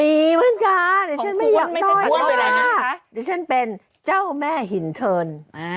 มีเหมือนกันเดี๋ยวฉันไม่อยากต้นว่าเดี๋ยวฉันเป็นเจ้าแม่หินเทิร์น